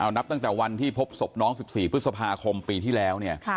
นับตั้งแต่วันที่พบศพน้อง๑๔พฤษภาคมปีที่แล้วเนี่ย